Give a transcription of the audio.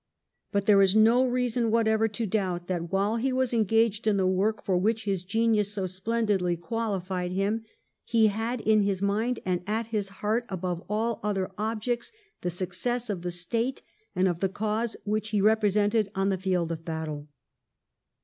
But there is no reason whatever to doubt that while he was engaged in the work for which his genius so splendidly qualified him, he had in his mind and at his heart, above all other objects, the success of the State and of the cause which he represented on the field of battle.